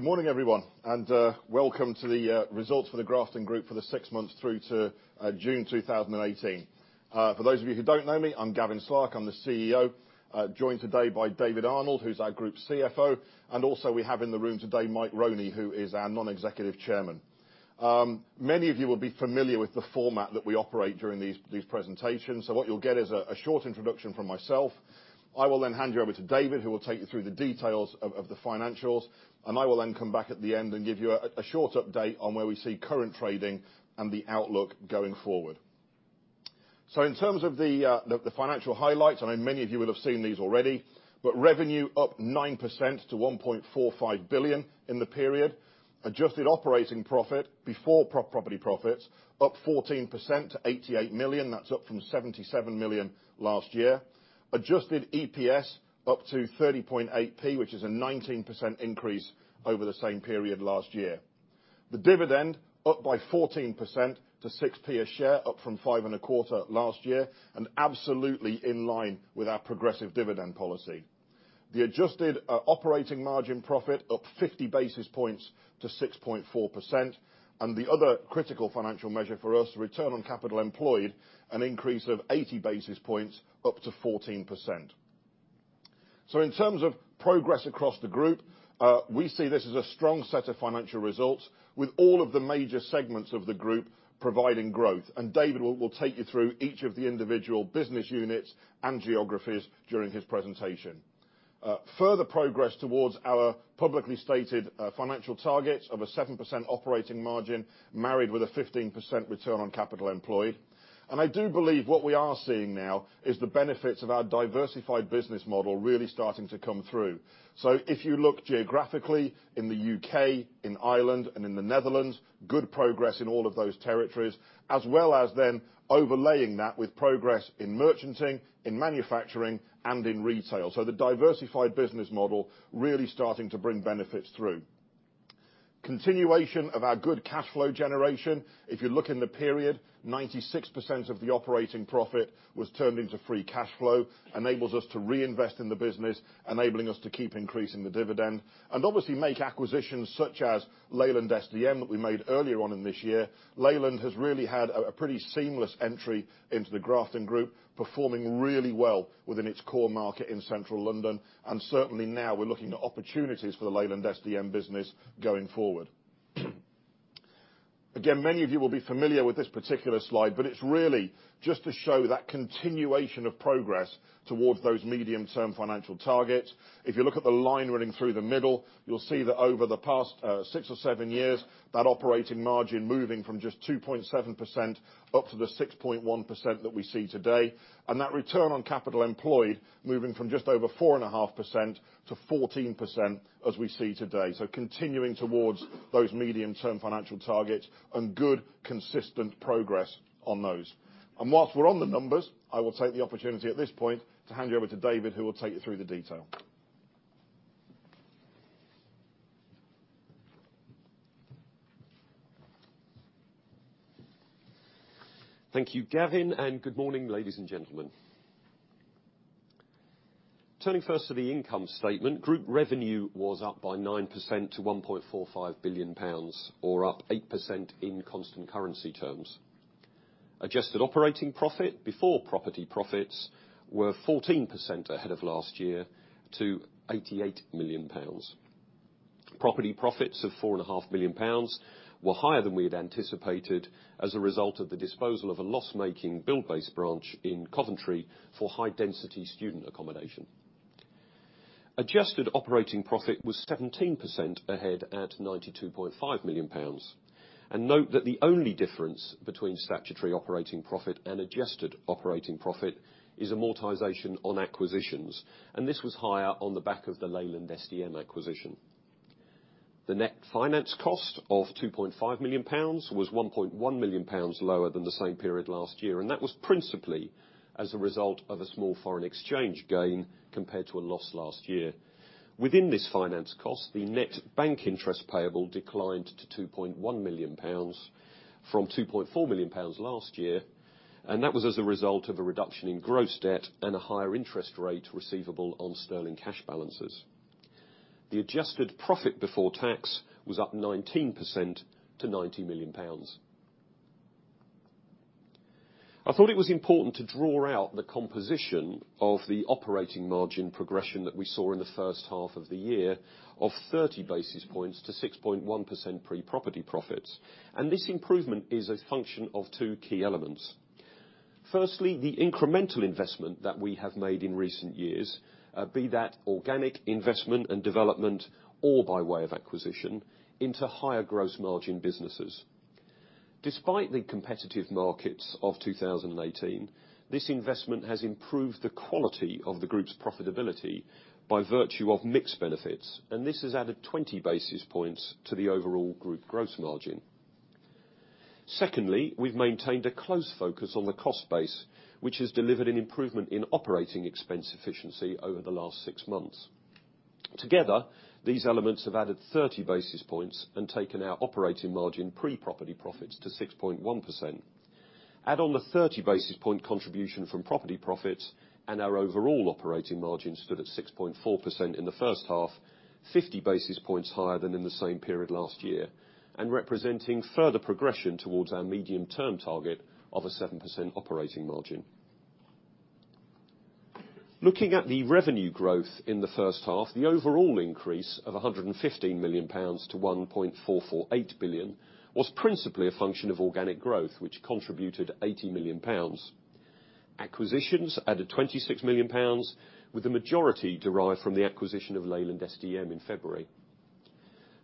Good morning, everyone, and welcome to the results for the Grafton Group for the six months through to June 2018. For those of you who don't know me, I'm Gavin Slark, I'm the CEO. Joined today by David Arnold, who's our Group CFO, and also we have in the room today Mike Roney, who is our Non-Executive Chairman. Many of you will be familiar with the format that we operate during these presentations. What you'll get is a short introduction from myself. I will then hand you over to David, who will take you through the details of the financials, and I will then come back at the end and give you a short update on where we see current trading and the outlook going forward. In terms of the financial highlights, I know many of you will have seen these already, but revenue up 9% to 1.45 billion in the period. Adjusted operating profit before property profits up 14% to 88 million. That's up from 77 million last year. Adjusted EPS up to 30.8p, which is a 19% increase over the same period last year. The dividend up by 14% to 6p a share, up from five and a quarter last year and absolutely in line with our progressive dividend policy. The adjusted operating margin profit up 50 basis points to 6.4%, and the other critical financial measure for us, return on capital employed, an increase of 80 basis points up to 14%. In terms of progress across the group, we see this as a strong set of financial results with all of the major segments of the group providing growth. David will take you through each of the individual business units and geographies during his presentation. Further progress towards our publicly stated financial targets of a 7% operating margin, married with a 15% return on capital employed. I do believe what we are seeing now is the benefits of our diversified business model really starting to come through. If you look geographically in the U.K., in Ireland and in the Netherlands, good progress in all of those territories, as well as then overlaying that with progress in merchanting, in manufacturing and in retail. The diversified business model really starting to bring benefits through. Continuation of our good cash flow generation. If you look in the period, 96% of the operating profit was turned into free cash flow, enables us to reinvest in the business, enabling us to keep increasing the dividend. Obviously make acquisitions such as Leyland SDM that we made earlier on in this year. Leyland has really had a pretty seamless entry into the Grafton Group, performing really well within its core market in Central London. Certainly now we're looking at opportunities for the Leyland SDM business going forward. Again, many of you will be familiar with this particular slide, but it's really just to show that continuation of progress towards those medium-term financial targets. If you look at the line running through the middle, you'll see that over the past six or seven years, that operating margin moving from just 2.7% up to the 6.1% that we see today. That return on capital employed moving from just over 4.5% to 14% as we see today. Continuing towards those medium-term financial targets and good consistent progress on those. Whilst we're on the numbers, I will take the opportunity at this point to hand you over to David, who will take you through the detail. Thank you, Gavin. Good morning, ladies and gentlemen. Turning first to the income statement, group revenue was up by 9% to 1.45 billion pounds or up 8% in constant currency terms. Adjusted operating profit before property profits were 14% ahead of last year to 88 million pounds. Property profits of 4.5 million pounds were higher than we had anticipated as a result of the disposal of a loss-making Buildbase branch in Coventry for high density student accommodation. Adjusted operating profit was 17% ahead at 92.5 million pounds. Note that the only difference between statutory operating profit and adjusted operating profit is amortization on acquisitions, this was higher on the back of the Leyland SDM acquisition. The net finance cost of 2.5 million pounds was 1.1 million pounds lower than the same period last year, that was principally as a result of a small foreign exchange gain compared to a loss last year. Within this finance cost, the net bank interest payable declined to 2.1 million pounds from 2.4 million pounds last year, that was as a result of a reduction in gross debt and a higher interest rate receivable on sterling cash balances. The adjusted profit before tax was up 19% to 90 million pounds. I thought it was important to draw out the composition of the operating margin progression that we saw in the first half of the year of 30 basis points to 6.1% pre-property profits. This improvement is a function of two key elements. Firstly, the incremental investment that we have made in recent years, be that organic investment and development or by way of acquisition into higher gross margin businesses. Despite the competitive markets of 2018, this investment has improved the quality of the group's profitability by virtue of mix benefits, this has added 20 basis points to the overall group gross margin. Secondly, we've maintained a close focus on the cost base, which has delivered an improvement in operating expense efficiency over the last six months. Together, these elements have added 30 basis points and taken our operating margin pre-property profits to 6.1%. Add on the 30 basis point contribution from property profits and our overall operating margins stood at 6.4% in the first half, 50 basis points higher than in the same period last year, and representing further progression towards our medium-term target of a 7% operating margin. Looking at the revenue growth in the first half, the overall increase of 115 million pounds to 1.448 billion was principally a function of organic growth, which contributed 80 million pounds. Acquisitions added 26 million pounds, with the majority derived from the acquisition of Leyland SDM in February.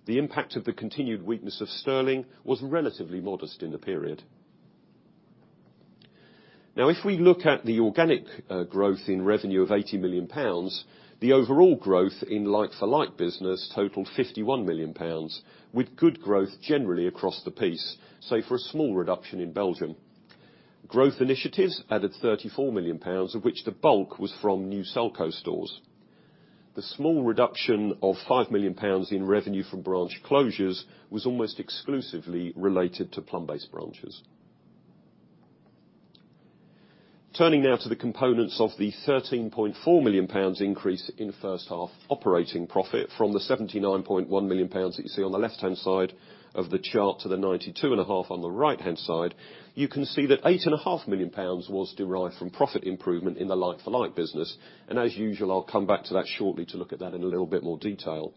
The impact of the continued weakness of sterling was relatively modest in the period. Now, if we look at the organic growth in revenue of 80 million pounds, the overall growth in like-for-like business totaled 51 million pounds, with good growth generally across the piece, save for a small reduction in Belgium. Growth initiatives added 34 million pounds of which the bulk was from new Selco stores. The small reduction of 5 million pounds in revenue from branch closures was almost exclusively related to Plumbase branches. Turning now to the components of the GBP 13.4 million increase in first half operating profit from the GBP 79.1 million that you see on the left-hand side of the chart to the 92.5 million on the right-hand side, you can see that GBP 8.5 million was derived from profit improvement in the like-for-like business. As usual, I'll come back to that shortly to look at that in a little bit more detail.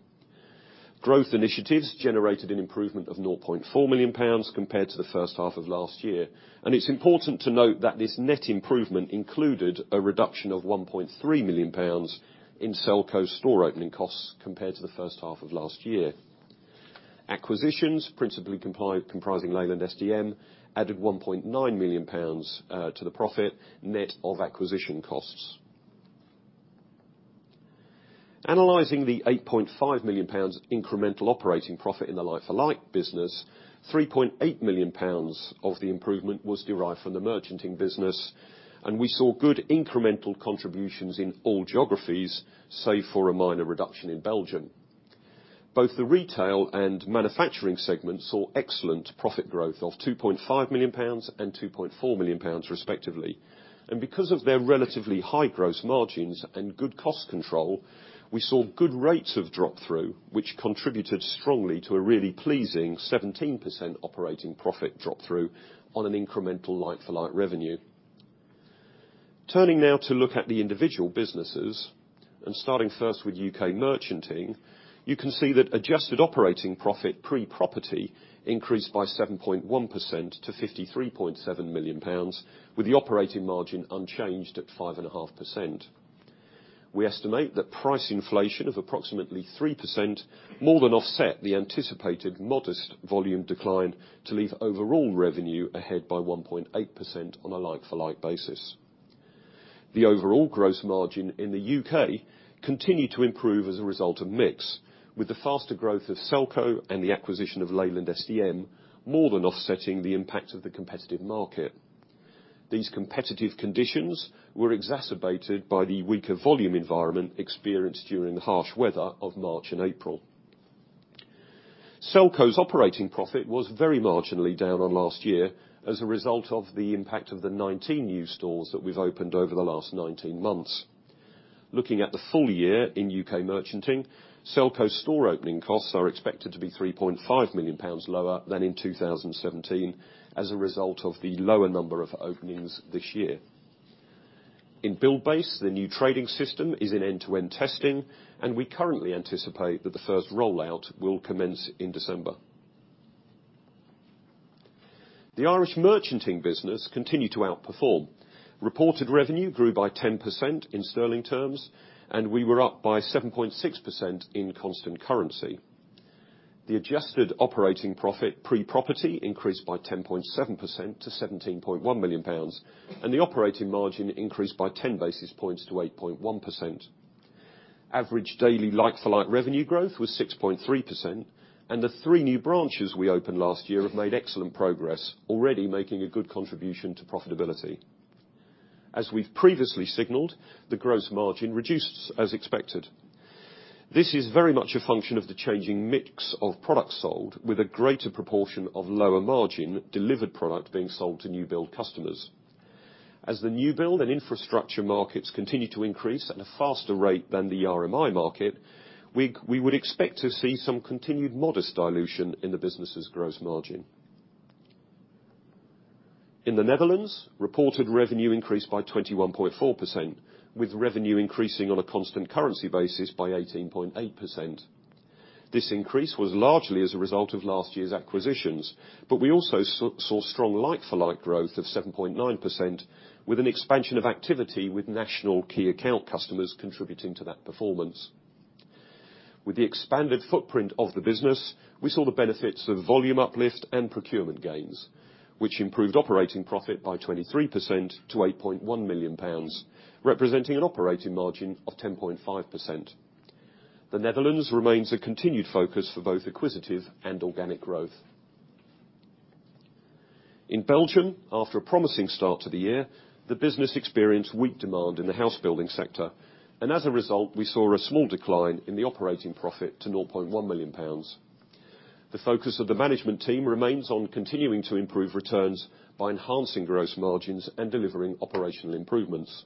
Growth initiatives generated an improvement of 0.4 million pounds compared to the first half of last year. It's important to note that this net improvement included a reduction of 1.3 million pounds in Selco store opening costs compared to the first half of last year. Acquisitions, principally comprising Leyland SDM, added 1.9 million pounds to the profit net of acquisition costs. Analyzing the 8.5 million pounds incremental operating profit in the like-for-like business, 3.8 million pounds of the improvement was derived from the merchanting business, and we saw good incremental contributions in all geographies, save for a minor reduction in Belgium. Both the retail and manufacturing segment saw excellent profit growth of GBP 2.5 million and GBP 2.4 million respectively. Because of their relatively high growth margins and good cost control, we saw good rates of drop-through, which contributed strongly to a really pleasing 17% operating profit drop-through on an incremental like-for-like revenue. Turning now to look at the individual businesses, and starting first with U.K. merchanting, you can see that adjusted operating profit pre-property increased by 7.1% to 53.7 million pounds, with the operating margin unchanged at 5.5%. We estimate that price inflation of approximately 3% more than offset the anticipated modest volume decline to leave overall revenue ahead by 1.8% on a like-for-like basis. The overall gross margin in the U.K. continued to improve as a result of mix with the faster growth of Selco and the acquisition of Leyland SDM more than offsetting the impact of the competitive market. These competitive conditions were exacerbated by the weaker volume environment experienced during the harsh weather of March and April. Selco's operating profit was very marginally down on last year as a result of the impact of the 19 new stores that we've opened over the last 19 months. Looking at the full year in U.K. merchanting, Selco store opening costs are expected to be 3.5 million pounds lower than in 2017 as a result of the lower number of openings this year. In Buildbase, the new trading system is in end-to-end testing, and we currently anticipate that the first rollout will commence in December. The Irish merchanting business continued to outperform. Reported revenue grew by 10% in sterling terms, and we were up by 7.6% in constant currency. The adjusted operating profit pre-property increased by 10.7% to 17.1 million pounds and the operating margin increased by 10 basis points to 8.1%. Average daily like-for-like revenue growth was 6.3%. The three new branches we opened last year have made excellent progress, already making a good contribution to profitability. As we've previously signaled, the gross margin reduced as expected. This is very much a function of the changing mix of products sold with a greater proportion of lower margin delivered product being sold to new build customers. As the new build and infrastructure markets continue to increase at a faster rate than the RMI market, we would expect to see some continued modest dilution in the business's gross margin. In the Netherlands, reported revenue increased by 21.4%, with revenue increasing on a constant currency basis by 18.8%. This increase was largely as a result of last year's acquisitions, but we also saw strong like-for-like growth of 7.9% with an expansion of activity with national key account customers contributing to that performance. With the expanded footprint of the business, we saw the benefits of volume uplift and procurement gains, which improved operating profit by 23% to 8.1 million pounds, representing an operating margin of 10.5%. The Netherlands remains a continued focus for both acquisitive and organic growth. In Belgium, after a promising start to the year, the business experienced weak demand in the house building sector. As a result, we saw a small decline in the operating profit to 0.1 million pounds. The focus of the management team remains on continuing to improve returns by enhancing gross margins and delivering operational improvements.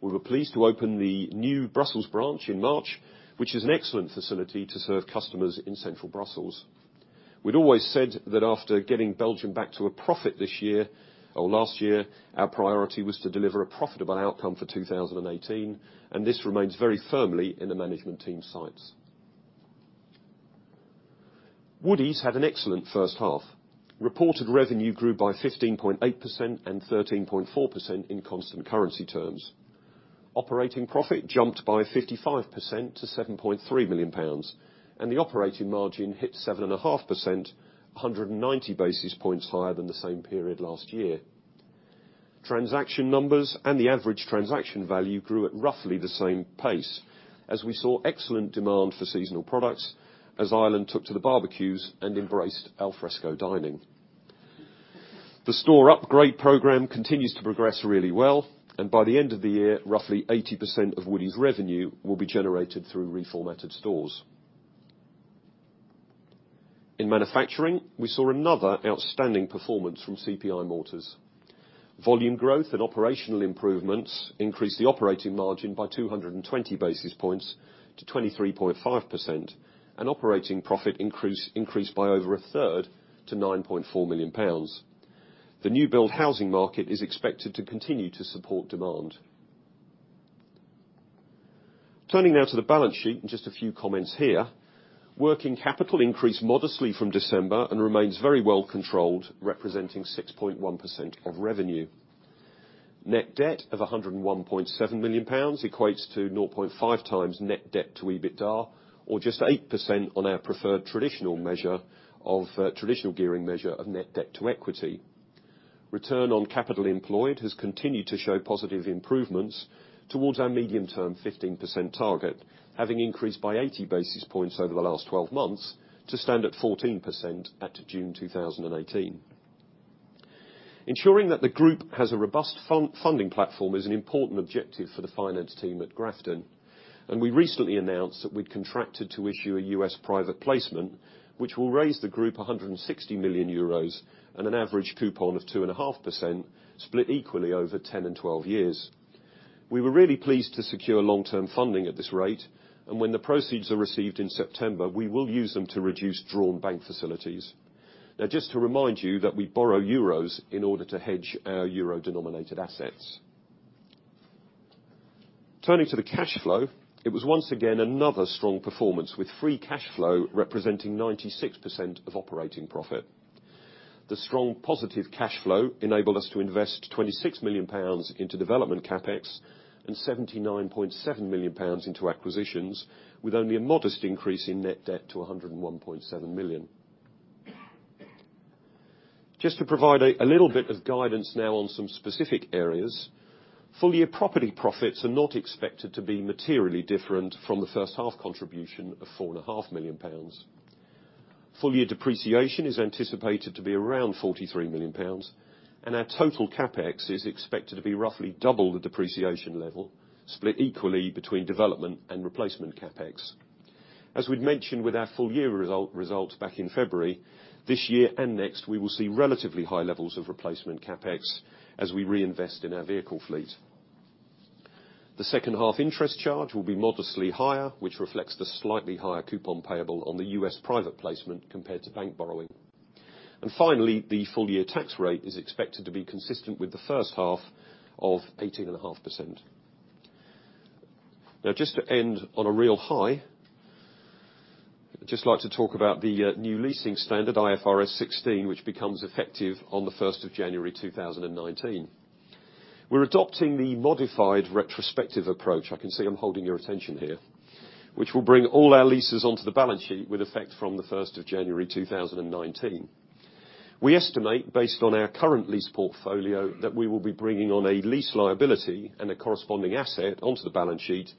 We were pleased to open the new Brussels branch in March, which is an excellent facility to serve customers in central Brussels. We'd always said that after getting Belgium back to a profit this year, or last year, our priority was to deliver a profitable outcome for 2018. This remains very firmly in the management team's sights. Woodie's had an excellent first half. Reported revenue grew by 15.8% and 13.4% in constant currency terms. Operating profit jumped by 55% to 7.3 million pounds. The operating margin hit 7.5%, 190 basis points higher than the same period last year. Transaction numbers and the average transaction value grew at roughly the same pace as we saw excellent demand for seasonal products, as Ireland took to the barbecues and embraced al fresco dining. The store upgrade program continues to progress really well, and by the end of the year, roughly 80% of Woodie's revenue will be generated through reformatted stores. In manufacturing, we saw another outstanding performance from CPI Mortars. Volume growth and operational improvements increased the operating margin by 220 basis points to 23.5%, and operating profit increased by over a third to 9.4 million pounds. The new build housing market is expected to continue to support demand. Turning now to the balance sheet and just a few comments here. Working capital increased modestly from December and remains very well controlled, representing 6.1% of revenue. Net debt of GBP 101.7 million equates to 0.5 times net debt to EBITDA, or just 8% on our preferred traditional gearing measure of net debt to equity. Return on capital employed has continued to show positive improvements towards our medium-term 15% target, having increased by 80 basis points over the last 12 months to stand at 14% at June 2018. Ensuring that the group has a robust funding platform is an important objective for the finance team at Grafton. We recently announced that we'd contracted to issue a US private placement, which will raise the group 160 million euros at an average coupon of 2.5% split equally over 10 and 12 years. We were really pleased to secure long-term funding at this rate. When the proceeds are received in September, we will use them to reduce drawn bank facilities. Just to remind you that we borrow euros in order to hedge our euro-denominated assets. Turning to the cash flow, it was once again another strong performance, with free cash flow representing 96% of operating profit. The strong positive cash flow enabled us to invest 26 million pounds into development CapEx and 79.7 million pounds into acquisitions, with only a modest increase in net debt to 101.7 million. Just to provide a little bit of guidance now on some specific areas. Full-year property profits are not expected to be materially different from the first half contribution of 4.5 million pounds. Full-year depreciation is anticipated to be around 43 million pounds. Our total CapEx is expected to be roughly double the depreciation level, split equally between development and replacement CapEx. As we'd mentioned with our full-year results back in February, this year and next, we will see relatively high levels of replacement CapEx as we reinvest in our vehicle fleet. The second half interest charge will be modestly higher, which reflects the slightly higher coupon payable on the US private placement compared to bank borrowing. Finally, the full-year tax rate is expected to be consistent with the first half of 18.5%. Just to end on a real high, I'd just like to talk about the new leasing standard, IFRS 16, which becomes effective on the 1st of January 2019. We're adopting the modified retrospective approach, I can see I'm holding your attention here, which will bring all our leases onto the balance sheet with effect from the 1st of January 2019. We estimate, based on our current lease portfolio, that we will be bringing on a lease liability and a corresponding asset onto the balance sheet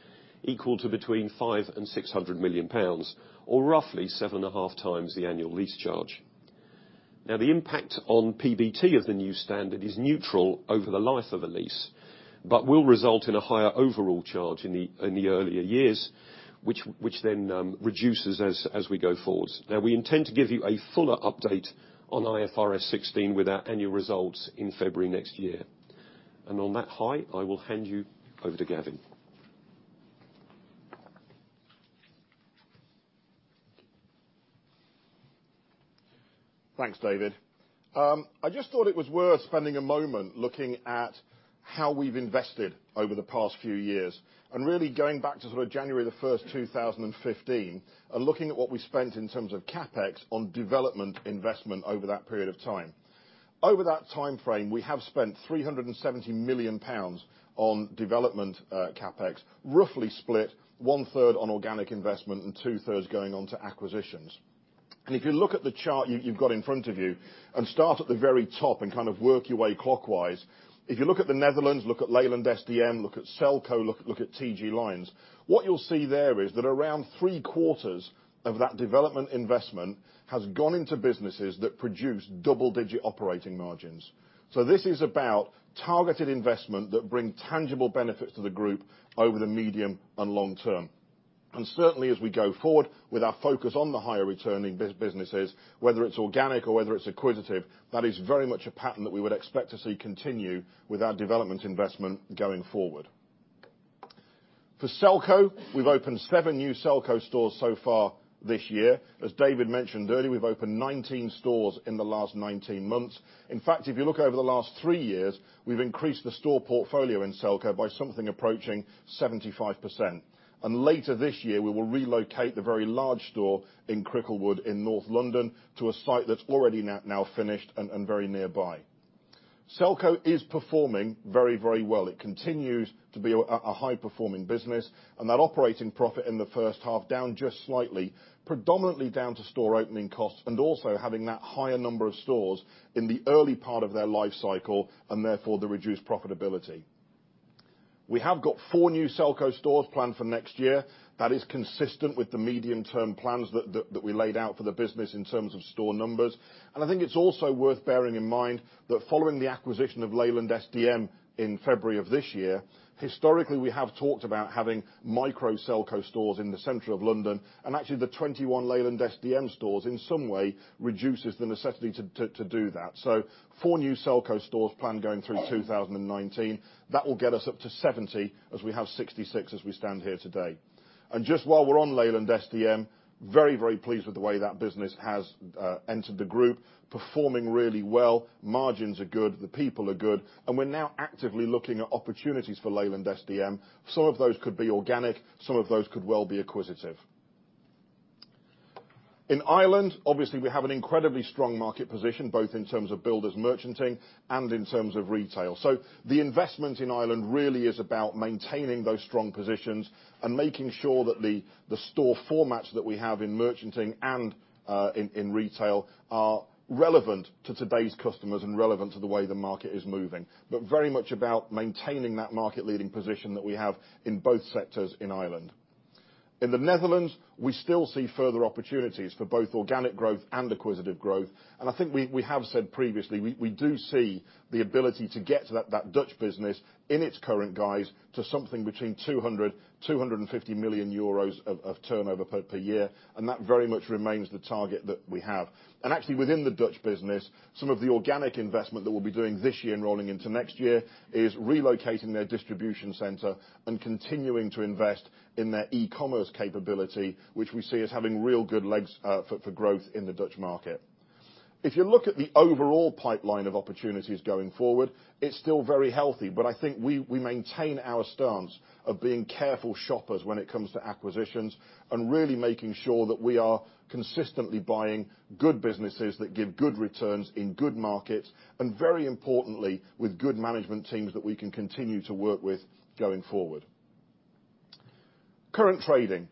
equal to between 500 million and 600 million pounds, or roughly seven and a half times the annual lease charge. The impact on PBT of the new standard is neutral over the life of a lease, but will result in a higher overall charge in the earlier years, which then reduces as we go forwards. We intend to give you a fuller update on IFRS 16 with our annual results in February next year. On that high, I will hand you over to Gavin. Thanks, David. I just thought it was worth spending a moment looking at how we've invested over the past few years, really going back to January 1st, 2015, and looking at what we spent in terms of CapEx on development investment over that period of time. Over that timeframe, we have spent 370 million pounds on development CapEx, roughly split one-third on organic investment and two-thirds going on to acquisitions. If you look at the chart you've got in front of you, and start at the very top and work your way clockwise. If you look at the Netherlands, look at Leyland SDM, look at Selco, look at TG Lynes, what you'll see there is that around three-quarters of that development investment has gone into businesses that produce double-digit operating margins. This is about targeted investment that bring tangible benefits to the group over the medium and long term. Certainly, as we go forward with our focus on the higher returning businesses, whether it's organic or whether it's acquisitive, that is very much a pattern that we would expect to see continue with our development investment going forward. For Selco, we've opened seven new Selco stores so far this year. As David mentioned earlier, we've opened 19 stores in the last 19 months. In fact, if you look over the last three years, we've increased the store portfolio in Selco by something approaching 75%. Later this year, we will relocate the very large store in Cricklewood in North London to a site that's already now finished and very nearby. Selco is performing very, very well. It continues to be a high-performing business. That operating profit in the first half down just slightly, predominantly down to store opening costs and also having that higher number of stores in the early part of their life cycle, and therefore, the reduced profitability. We have got four new Selco stores planned for next year. That is consistent with the medium-term plans that we laid out for the business in terms of store numbers. I think it's also worth bearing in mind that following the acquisition of Leyland SDM in February of this year, historically, we have talked about having micro Selco stores in the center of London. Actually, the 21 Leyland SDM stores in some way reduces the necessity to do that. Four new Selco stores planned going through 2019. That will get us up to 70, as we have 66 as we stand here today. Just while we're on Leyland SDM, very, very pleased with the way that business has entered the group. Performing really well, margins are good, the people are good, and we're now actively looking at opportunities for Leyland SDM. Some of those could be organic, some of those could well be acquisitive. In Ireland, obviously, we have an incredibly strong market position, both in terms of builders merchanting and in terms of retail. The investment in Ireland really is about maintaining those strong positions and making sure that the store formats that we have in merchanting and in retail are relevant to today's customers and relevant to the way the market is moving. Very much about maintaining that market-leading position that we have in both sectors in Ireland. In the Netherlands, we still see further opportunities for both organic growth and acquisitive growth. I think we have said previously, we do see the ability to get that Dutch business in its current guise to something between 200 million-250 million euros of turnover per year, and that very much remains the target that we have. Actually, within the Dutch business, some of the organic investment that we'll be doing this year and rolling into next year is relocating their distribution center and continuing to invest in their e-commerce capability, which we see as having real good legs for growth in the Dutch market. If you look at the overall pipeline of opportunities going forward, it's still very healthy. I think we maintain our stance of being careful shoppers when it comes to acquisitions and really making sure that we are consistently buying good businesses that give good returns in good markets, and very importantly, with good management teams that we can continue to work with going forward. Current trading.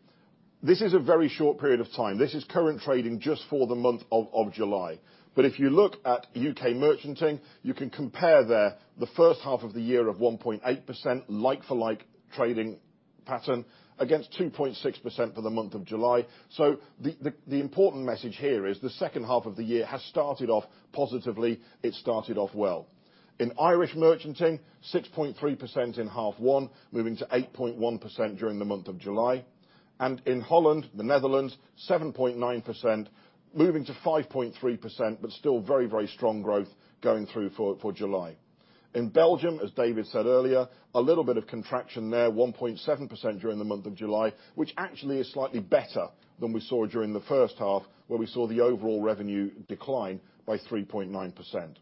This is a very short period of time. This is current trading just for the month of July. If you look at U.K. merchanting, you can compare there the first half of the year of 1.8% like-for-like trading pattern against 2.6% for the month of July. The important message here is the second half of the year has started off positively. It started off well. In Irish merchanting, 6.3% in half one, moving to 8.1% during the month of July. In Holland, the Netherlands, 7.9% moving to 5.3%, but still very, very strong growth going through for July. In Belgium, as David said earlier, a little bit of contraction there, 1.7% during the month of July, which actually is slightly better than we saw during the first half, where we saw the overall revenue decline by 3.9%.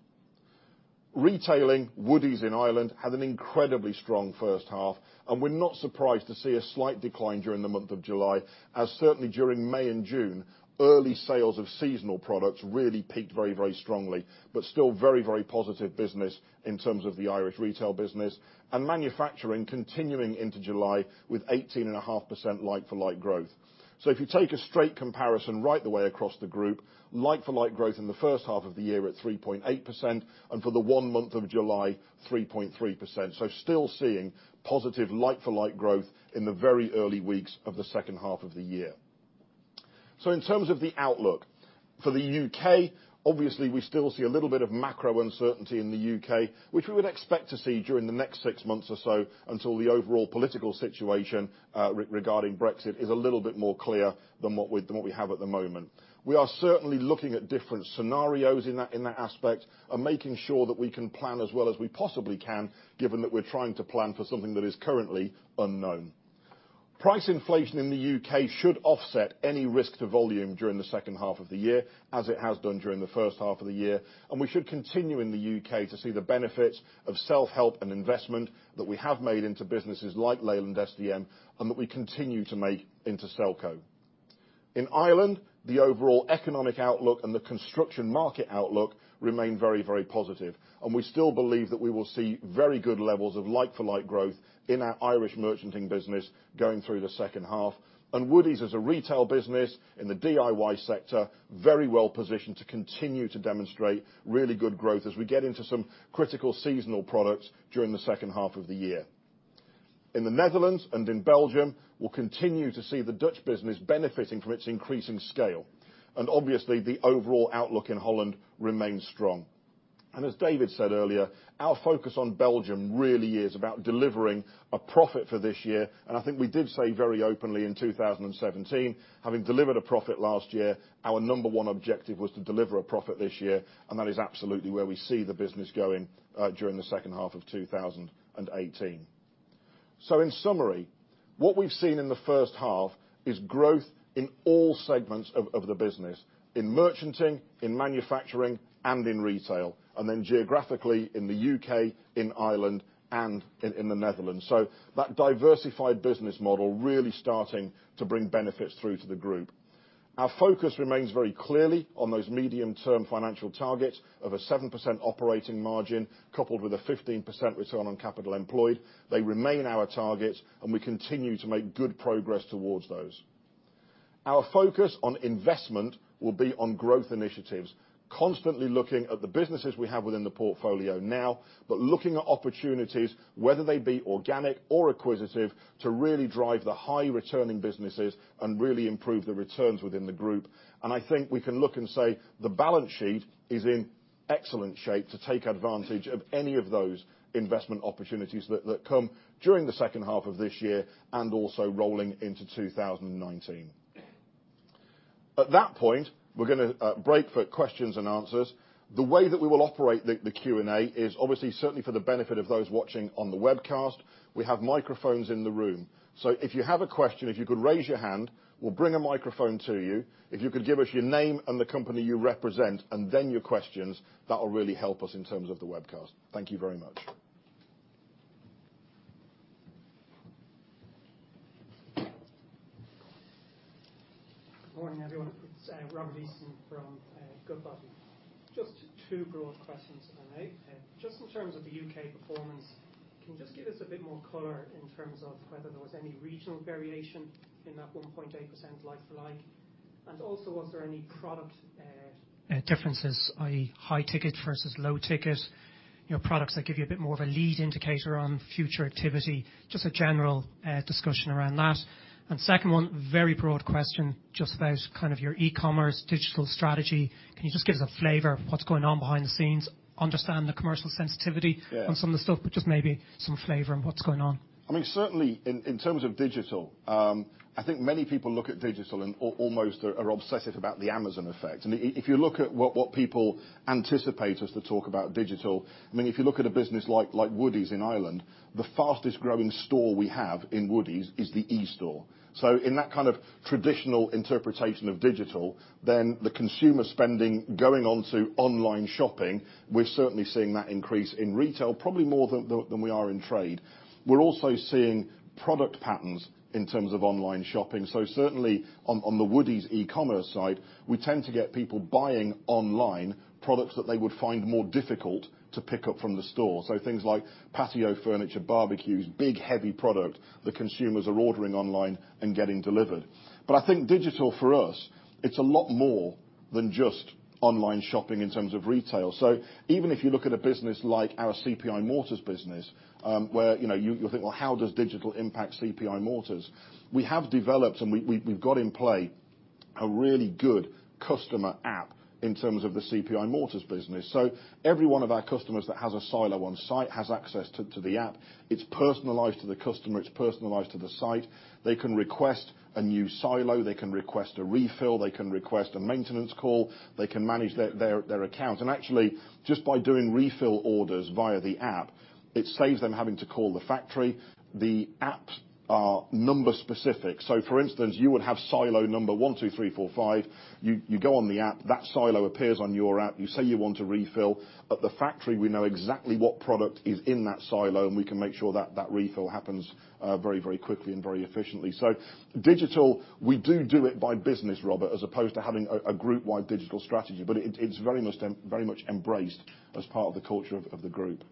Retailing, Woodie's in Ireland, had an incredibly strong first half, and we're not surprised to see a slight decline during the month of July, as certainly during May and June, early sales of seasonal products really peaked very, very strongly. Still very, very positive business in terms of the Irish retail business. Manufacturing continuing into July with 18.5% like-for-like growth. If you take a straight comparison right the way across the group, like-for-like growth in the first half of the year at 3.8%, and for the one month of July, 3.3%. Still seeing positive like-for-like growth in the very early weeks of the second half of the year. In terms of the outlook. For the U.K., obviously, we still see a little bit of macro uncertainty in the U.K., which we would expect to see during the next six months or so until the overall political situation regarding Brexit is a little bit more clear than what we have at the moment. We are certainly looking at different scenarios in that aspect and making sure that we can plan as well as we possibly can, given that we're trying to plan for something that is currently unknown. Price inflation in the U.K. should offset any risk to volume during the second half of the year, as it has done during the first half of the year. We should continue in the U.K. to see the benefits of self-help and investment that we have made into businesses like Leyland SDM and that we continue to make into Selco. In Ireland, the overall economic outlook and the construction market outlook remain very, very positive. We still believe that we will see very good levels of like-for-like growth in our Irish merchanting business going through the second half. Woodie's as a retail business in the DIY sector, very well positioned to continue to demonstrate really good growth as we get into some critical seasonal products during the second half of the year. In the Netherlands and in Belgium, we'll continue to see the Dutch business benefiting from its increasing scale. Obviously, the overall outlook in Holland remains strong. As David said earlier, our focus on Belgium really is about delivering a profit for this year. I think we did say very openly in 2017, having delivered a profit last year, our number one objective was to deliver a profit this year, and that is absolutely where we see the business going during the second half of 2018. In summary, what we've seen in the first half is growth in all segments of the business: in merchanting, in manufacturing, and in retail. Then geographically, in the U.K., in Ireland, and in the Netherlands. That diversified business model really starting to bring benefits through to the group. Our focus remains very clearly on those medium-term financial targets of a 7% operating margin, coupled with a 15% return on capital employed. They remain our targets. We continue to make good progress towards those. Our focus on investment will be on growth initiatives. Constantly looking at the businesses we have within the portfolio now, but looking at opportunities, whether they be organic or acquisitive, to really drive the high-returning businesses and really improve the returns within the group. I think we can look and say, the balance sheet is in excellent shape to take advantage of any of those investment opportunities that come during the second half of this year, and also rolling into 2019. At that point, we're going to break for questions and answers. The way that we will operate the Q&A is obviously, certainly for the benefit of those watching on the webcast, we have microphones in the room. If you have a question, if you could raise your hand, we'll bring a microphone to you. If you could give us your name and the company you represent, and then your questions, that'll really help us in terms of the webcast. Thank you very much. Good morning, everyone. It's Robert Eason from Goodbody. Just two broad questions for now. Just in terms of the U.K. performance, can you just give us a bit more color in terms of whether there was any regional variation in that 1.8% like-for-like? Also, was there any product differences, i.e., high ticket versus low ticket? Products that give you a bit more of a lead indicator on future activity. Just a general discussion around that. Second one, very broad question, just about kind of your e-commerce, digital strategy. Can you just give us a flavor of what's going on behind the scenes? Understand the commercial sensitivity- Yeah on some of the stuff, just maybe some flavor on what's going on. I mean, certainly in terms of digital, I think many people look at digital and almost are obsessive about the Amazon effect. If you look at what people anticipate us to talk about digital, I mean, if you look at a business like Woodie's in Ireland, the fastest growing store we have in Woodie's is the e-store. In that kind of traditional interpretation of digital, then the consumer spending going onto online shopping, we're certainly seeing that increase in retail probably more than we are in trade. We're also seeing product patterns in terms of online shopping. Certainly on the Woodie's e-commerce side, we tend to get people buying online products that they would find more difficult to pick up from the store. Things like patio furniture, barbecues, big, heavy product that consumers are ordering online and getting delivered. I think digital for us, it's a lot more than just online shopping in terms of retail. Even if you look at a business like our CPI Mortars business, where you'll think, "Well, how does digital impact CPI Mortars?" We have developed, and we've got in play a really good customer app in terms of the CPI Mortars business. Every one of our customers that has a silo on site has access to the app. It's personalized to the customer, it's personalized to the site. They can request a new silo, they can request a refill, they can request a maintenance call, they can manage their account. Actually, just by doing refill orders via the app, it saves them having to call the factory. The apps are number specific. For instance, you would have silo number 12345. You go on the app, that silo appears on your app. You say you want a refill. At the factory, we know exactly what product is in that silo, and we can make sure that refill happens very quickly and very efficiently. Digital, we do do it by business, Robert, as opposed to having a group-wide digital strategy. It's very much embraced as part of the culture of the group.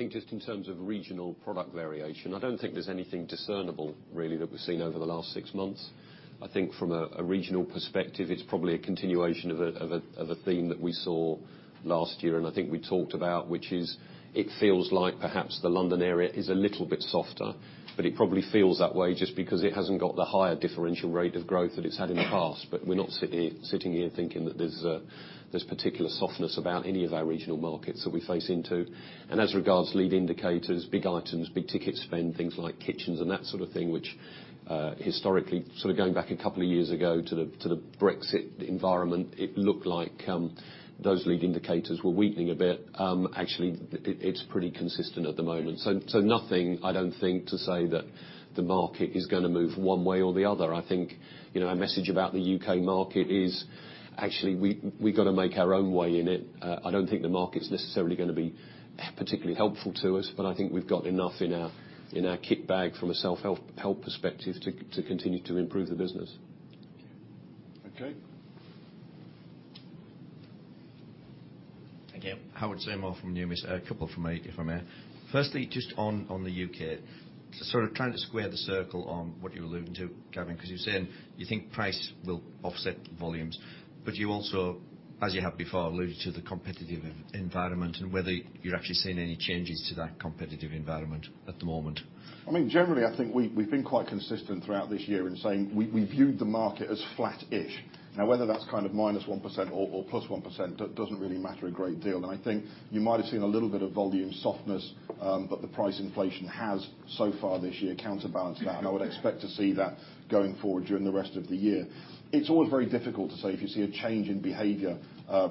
I think just in terms of regional product variation, I don't think there's anything discernible really that we've seen over the last six months. I think from a regional perspective, it's probably a continuation of a theme that we saw last year and I think we talked about, which is it feels like perhaps the London area is a little bit softer. It probably feels that way just because it hasn't got the higher differential rate of growth that it's had in the past. We're not sitting here thinking that there's particular softness about any of our regional markets that we face into. As regards lead indicators, big items, big ticket spend, things like kitchens and that sort of thing, which historically, going back a couple of years ago to the Brexit environment, it looked like those lead indicators were weakening a bit. Actually, it's pretty consistent at the moment. Nothing, I don't think, to say that the market is going to move one way or the other. I think our message about the U.K. market is actually, we've got to make our own way in it. I don't think the market's necessarily going to be particularly helpful to us. I think we've got enough in our kit bag from a self-help perspective to continue to improve the business. Okay. Thank you. Howard Zammal from Numis. A couple from me, if I may. Firstly, just on the U.K. Sort of trying to square the circle on what you were alluding to, Gavin, because you're saying you think price will offset volumes. You also, as you have before, alluded to the competitive environment and whether you're actually seeing any changes to that competitive environment at the moment. I mean, generally, I think we've been quite consistent throughout this year in saying we viewed the market as flat-ish. Now whether that's minus 1% or plus 1%, doesn't really matter a great deal. I think you might have seen a little bit of volume softness, but the price inflation has, so far this year, counterbalanced that. I would expect to see that going forward during the rest of the year. It's always very difficult to say if you see a change in behavior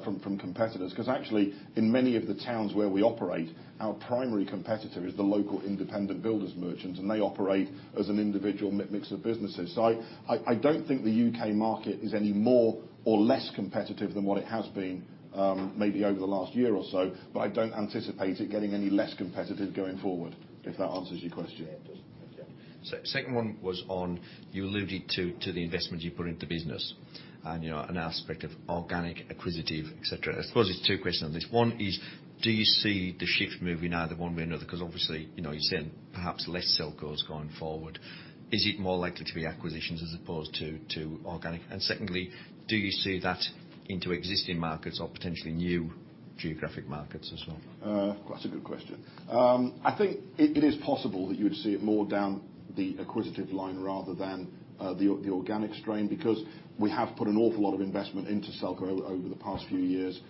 from competitors, because actually, in many of the towns where we operate, our primary competitor is the local independent builders merchants, and they operate as an individual mix of businesses. I don't think the U.K. market is any more or less competitive than what it has been, maybe over the last year or so, but I don't anticipate it getting any less competitive going forward, if that answers your question. Yeah, it does. Thank you. Second one was on, you alluded to the investment you put into business, and an aspect of organic, acquisitive, et cetera. I suppose it's two questions on this. One is, do you see the shift moving either one way or another? Because obviously, you're saying perhaps less Selcos going forward. Is it more likely to be acquisitions as opposed to organic? Secondly, do you see that into existing markets or potentially new geographic markets as well? That's a good question. I think it is possible that you would see it more down the acquisitive line rather than the organic strain, because we have put an awful lot of investment into Selco over the past few years.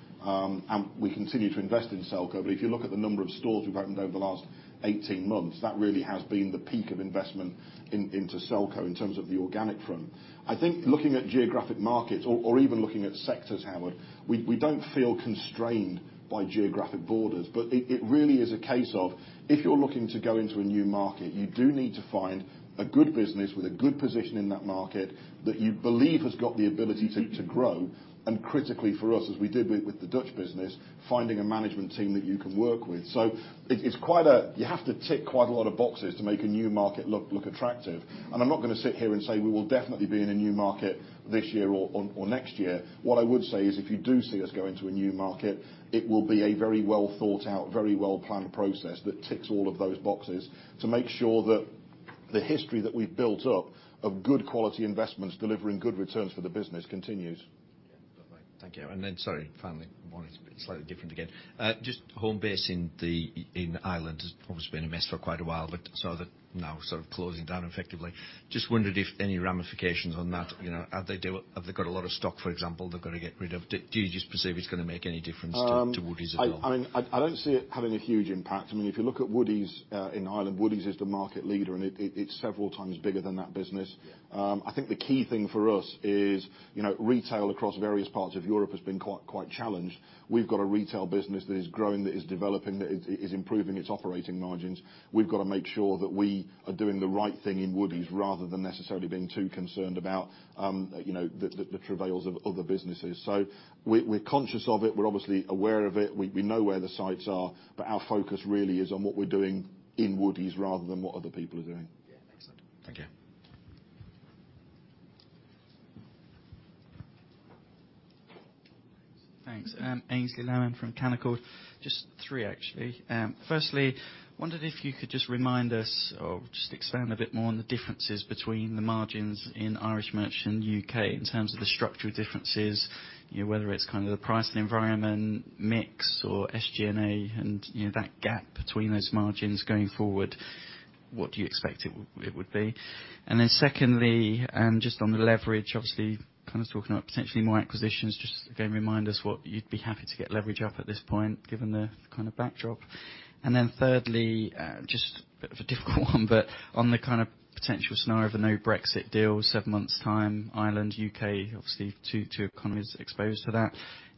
We continue to invest in Selco, but if you look at the number of stores we've opened over the last 18 months, that really has been the peak of investment into Selco in terms of the organic from. I think looking at geographic markets or even looking at sectors, Howard, we don't feel constrained by geographic borders. It really is a case of, if you're looking to go into a new market, you do need to find a good business with a good position in that market that you believe has got the ability to grow. Critically for us, as we did with the Dutch business, finding a management team that you can work with. You have to tick quite a lot of boxes to make a new market look attractive. I'm not going to sit here and say we will definitely be in a new market this year or next year. What I would say is, if you do see us go into a new market, it will be a very well thought out, very well-planned process that ticks all of those boxes to make sure that the history that we've built up of good quality investments delivering good returns for the business continues. Yeah. Lovely. Thank you. Sorry, finally, one is slightly different again. Homebase in Ireland has obviously been a mess for quite a while, but now sort of closing down effectively. Just wondered if any ramifications on that. Have they got a lot of stock, for example, they've got to get rid of? Do you just perceive it's going to make any difference to Woodie's at all? I don't see it having a huge impact. If you look at Woodie's in Ireland, Woodie's is the market leader, and it's several times bigger than that business. I think the key thing for us is, retail across various parts of Europe has been quite challenged. We've got a retail business that is growing, that is developing, that is improving its operating margins. We've got to make sure that we are doing the right thing in Woodie's rather than necessarily being too concerned about the travails of other businesses. We're conscious of it. We're obviously aware of it. We know where the sites are, but our focus really is on what we're doing in Woodie's rather than what other people are doing. Yeah. Excellent. Thank you. Thanks. Aynsley Lammin from Canaccord. Just three, actually. Firstly, wondered if you could just remind us or just expand a bit more on the differences between the margins in Irish Merchant and U.K. in terms of the structural differences, whether it's the pricing environment, mix or SG&A and that gap between those margins going forward, what do you expect it would be? Secondly, just on the leverage, obviously, talking about potentially more acquisitions, just again remind us what you'd be happy to get leverage up at this point, given the kind of backdrop. Thirdly, just a bit of a difficult one but on the potential scenario of a no Brexit deal, seven months' time, Ireland, U.K., obviously two economies exposed to that.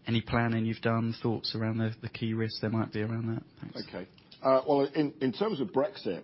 Any planning you've done, thoughts around the key risks there might be around that? Thanks. Okay. Well, in terms of Brexit,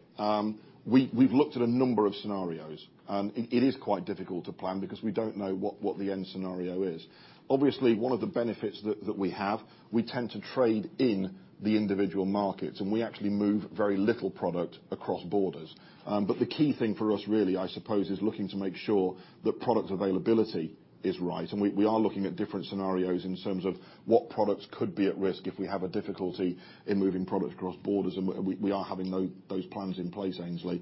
we've looked at a number of scenarios. It is quite difficult to plan because we don't know what the end scenario is. Obviously, one of the benefits that we have, we tend to trade in the individual markets, and we actually move very little product across borders. The key thing for us really, I suppose, is looking to make sure that product availability is right. We are looking at different scenarios in terms of what products could be at risk if we have a difficulty in moving products across borders, and we are having those plans in place, Aynsley.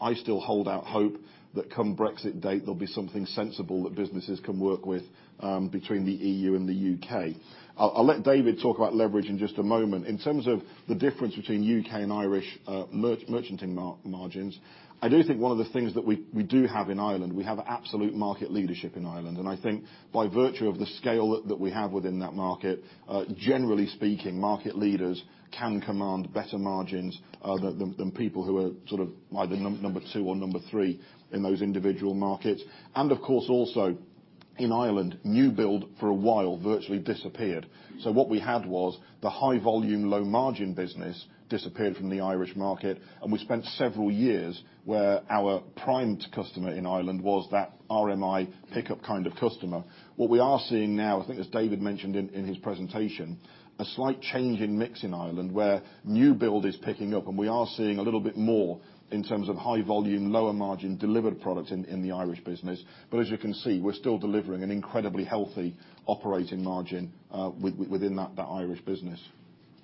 I still hold out hope that come Brexit date, there'll be something sensible that businesses can work with between the EU and the U.K. I'll let David talk about leverage in just a moment. In terms of the difference between U.K. and Irish merchanting margins, I do think one of the things that we do have in Ireland, we have absolute market leadership in Ireland. I think by virtue of the scale that we have within that market, generally speaking, market leaders can command better margins than people who are either number 2 or number 3 in those individual markets. Of course also, in Ireland, new build for a while virtually disappeared. What we had was the high volume, low margin business disappeared from the Irish market, and we spent several years where our prime customer in Ireland was that RMI pickup kind of customer. What we are seeing now, I think as David mentioned in his presentation, a slight change in mix in Ireland where new build is picking up and we are seeing a little bit more in terms of high volume, lower margin delivered product in the Irish business. As you can see, we're still delivering an incredibly healthy operating margin within that Irish business.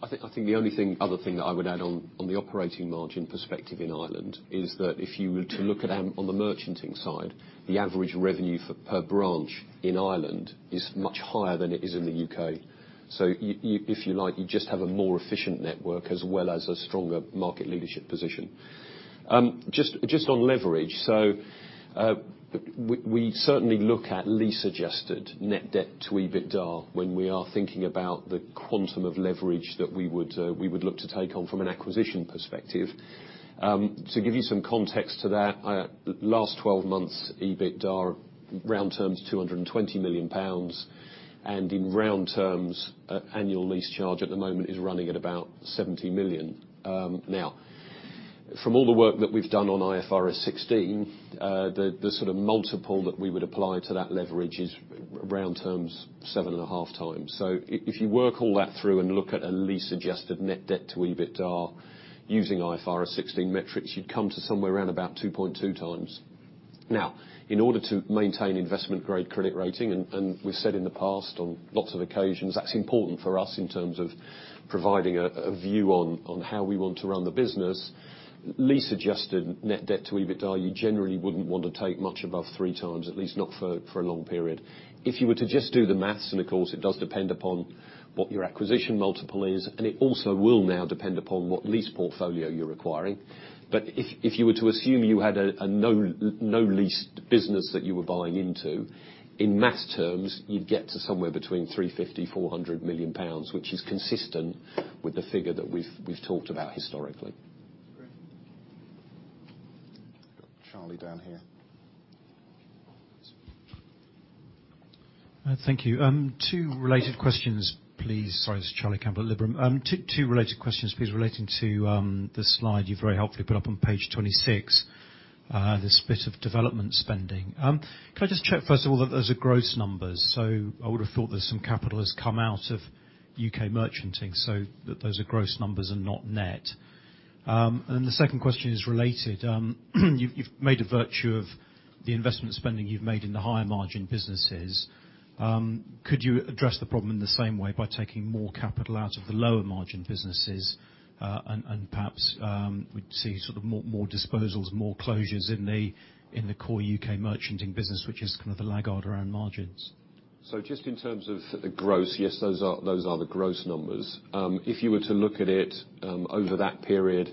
I think the only other thing that I would add on the operating margin perspective in Ireland is that if you were to look at on the merchanting side, the average revenue per branch in Ireland is much higher than it is in the U.K. If you like, you just have a more efficient network as well as a stronger market leadership position. Just on leverage. We certainly look at lease-adjusted net debt to EBITDA when we are thinking about the quantum of leverage that we would look to take on from an acquisition perspective. To give you some context to that, last 12 months, EBITDA, round terms, 220 million pounds. In round terms, annual lease charge at the moment is running at about 70 million. From all the work that we've done on IFRS 16, the sort of multiple that we would apply to that leverage is, round terms, 7.5 times. If you work all that through and look at a lease adjusted net debt to EBITDA using IFRS 16 metrics, you'd come to somewhere around about 2.2 times. In order to maintain investment-grade credit rating, we've said in the past on lots of occasions, that's important for us in terms of providing a view on how we want to run the business. Lease-adjusted net debt to EBITDA, you generally wouldn't want to take much above 3 times, at least not for a long period. If you were to just do the maths, of course it does depend upon what your acquisition multiple is, it also will now depend upon what lease portfolio you're acquiring. If you were to assume you had a no lease business that you were buying into, in math terms, you'd get to somewhere between 350 million-400 million pounds, which is consistent with the figure that we've talked about historically. Great. Got Charlie down here. Thank you. Two related questions, please. Sorry. It's Charlie Campbell at Liberum. Two related questions, please, relating to the slide you've very helpfully put up on page 26, the split of development spending. Can I just check first of all that those are gross numbers? I would have thought that some capital has come out of U.K. merchanting, so those are gross numbers and not net. The second question is related. You've made a virtue of the investment spending you've made in the higher margin businesses. Could you address the problem in the same way by taking more capital out of the lower margin businesses? Perhaps we'd see sort of more disposals, more closures in the core U.K. merchanting business, which is kind of the laggard around margins. Just in terms of the gross, yes, those are the gross numbers. If you were to look at it over that period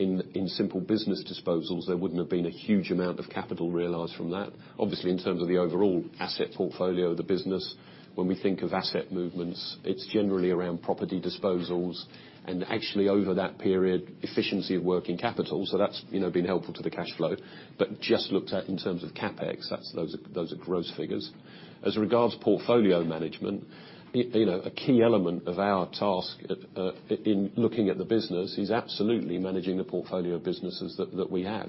in simple business disposals, there wouldn't have been a huge amount of capital realized from that. Obviously, in terms of the overall asset portfolio of the business, when we think of asset movements, it's generally around property disposals. Actually, over that period, efficiency of working capital, that's been helpful to the cash flow. Just looked at in terms of CapEx, those are gross figures. As regards portfolio management, a key element of our task in looking at the business is absolutely managing the portfolio of businesses that we have.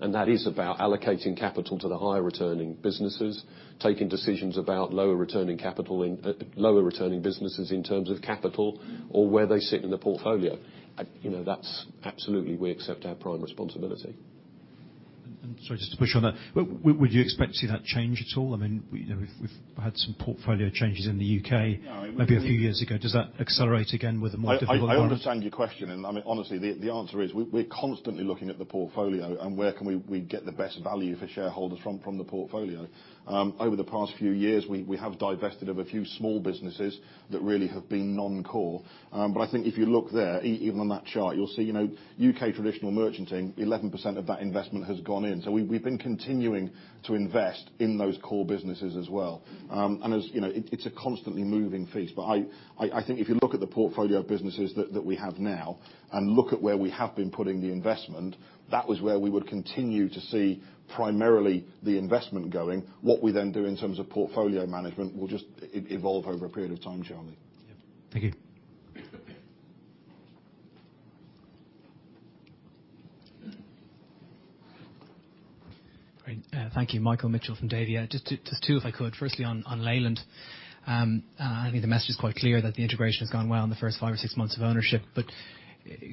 That is about allocating capital to the higher returning businesses, taking decisions about lower returning businesses in terms of capital, or where they sit in the portfolio. That's absolutely we accept our prime responsibility. Sorry, just to push on that. Would you expect to see that change at all? We've had some portfolio changes in the U.K. maybe a few years ago. Does that accelerate again with a more difficult environment? I understand your question, honestly, the answer is, we're constantly looking at the portfolio and where can we get the best value for shareholders from the portfolio. Over the past few years, we have divested of a few small businesses that really have been non-core. I think if you look there, even on that chart, you'll see U.K. traditional merchanting, 11% of that investment has gone in. We've been continuing to invest in those core businesses as well. It's a constantly moving feast. I think if you look at the portfolio of businesses that we have now and look at where we have been putting the investment, that was where we would continue to see primarily the investment going. What we then do in terms of portfolio management will just evolve over a period of time, Charlie. Yeah. Thank you. Great. Thank you. Michael Mitchell from Davy. Just two, if I could. Firstly, on Leyland. I think the message is quite clear that the integration has gone well in the first five or six months of ownership.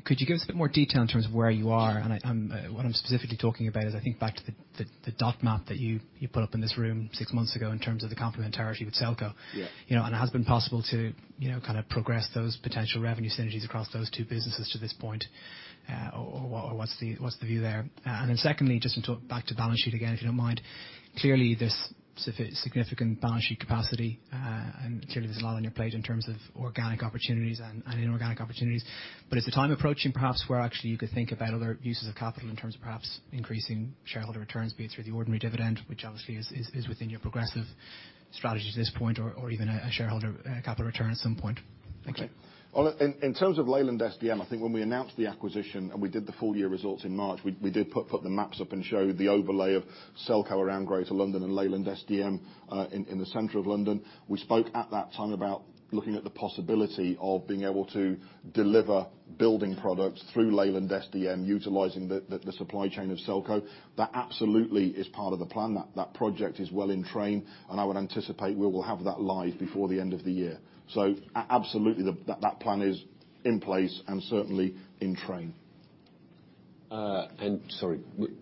Could you give us a bit more detail in terms of where you are? What I'm specifically talking about is, I think back to the dot map that you put up in this room six months ago in terms of the complementarity with Selco. Yeah. It has been possible to kind of progress those potential revenue synergies across those two businesses to this point, or what's the view there? Secondly, just back to balance sheet again, if you don't mind. Clearly, there's significant balance sheet capacity, and clearly there's a lot on your plate in terms of organic opportunities and inorganic opportunities. Is the time approaching perhaps where actually you could think about other uses of capital in terms of perhaps increasing shareholder returns, be it through the ordinary dividend, which obviously is within your progressive strategy to this point, or even a shareholder capital return at some point? Thank you. Okay. In terms of Leyland SDM, I think when we announced the acquisition and we did the full year results in March, we did put the maps up and show the overlay of Selco around greater London and Leyland SDM in the center of London. We spoke at that time about looking at the possibility of being able to deliver building products through Leyland SDM utilizing the supply chain of Selco. That absolutely is part of the plan. That project is well in train, and I would anticipate we will have that live before the end of the year. Absolutely, that plan is in place and certainly in train. Sorry.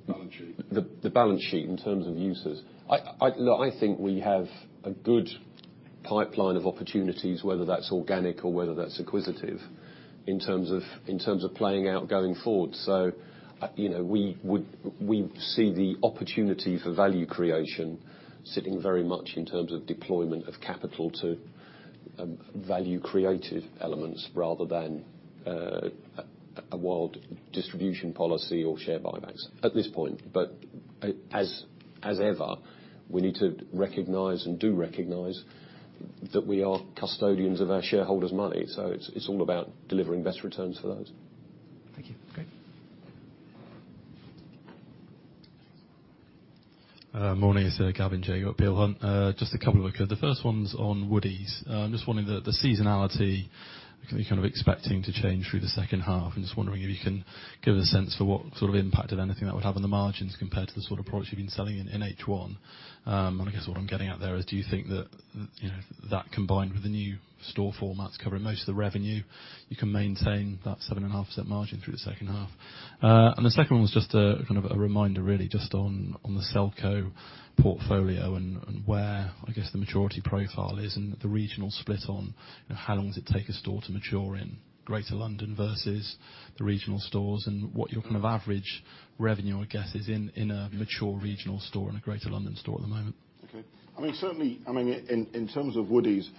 Balance sheet. The balance sheet in terms of uses. Look, I think we have a good pipeline of opportunities, whether that's organic or whether that's acquisitive, in terms of playing out going forward. We see the opportunity for value creation sitting very much in terms of deployment of capital to value creative elements rather than a wild distribution policy or share buybacks at this point. As ever, we need to recognize and do recognize that we are custodians of our shareholders' money. It's all about delivering best returns for those. Thank you. Okay. Morning. It's Gavin Jago, Peel Hunt. Just a couple. Okay. The first one's on Woodie's. I'm just wondering the seasonality, kind of expecting to change through the second half. I'm just wondering if you can give a sense for what sort of impact of anything that would have on the margins compared to the sort of products you've been selling in H1. I guess what I'm getting at there is, do you think that combined with the new store formats covering most of the revenue, you can maintain that 7.5% margin through the second half? The second one was just a kind of a reminder, really, just on the Selco portfolio and where, I guess, the maturity profile is and the regional split on how long does it take a store to mature in Greater London versus the regional stores, and what your kind of average revenue, I guess, is in a mature regional store and a Greater London store at the moment. Okay. I mean, certainly, in terms of Woodie's,